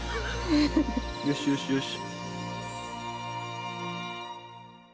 よしよしよし。